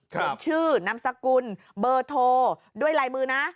เห็นชื่อนามสกุลเบอร์โทรด้วยลายมือนะ